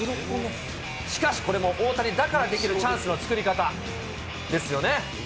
しかし、これも大谷だからできるチャンスの作り方ですよね。